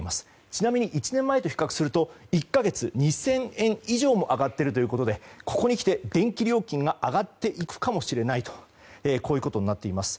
ちなみに１年前と比較すると１か月２０００円以上も上がっているということでここにきて電気料金が上がっていくかもしれないこういうことになっています。